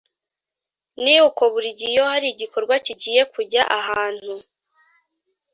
ni uko buri gihe iyo hari igikorwa kigiye kujya ahantu